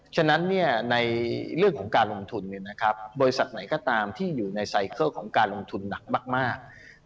ฉะนั้นในเรื่องของการลงทุนบริษัทไหนก็ตามที่อยู่ในไซเคิลของการลงทุนหนักมาก